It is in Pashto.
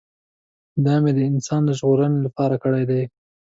دا مې د انسانانو د ژغورنې لپاره کړی دی.